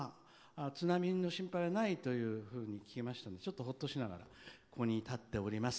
津波の心配はないというふうに聞きましたので、ほっとしながらここに立っております。